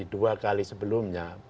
dua kali sebelumnya